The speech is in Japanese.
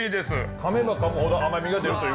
かめばかむほど甘みが出るというか。